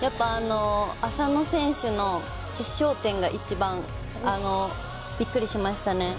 浅野選手の決勝点が一番びっくりしましたね。